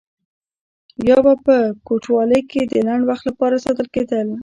یا به په کوټوالۍ کې د لنډ وخت لپاره ساتل کېدل.